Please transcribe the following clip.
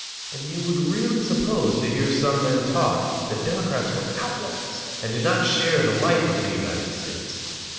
And you would really suppose, to hear some men talk, that Democrats were outlaws and did not share the life of the United States.